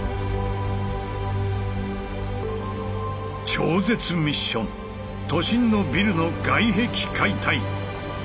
超絶ミッション都心のビルの外壁解体。